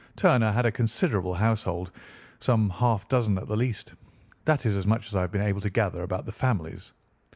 Turner had a considerable household, some half dozen at the least. That is as much as I have been able to gather about the families.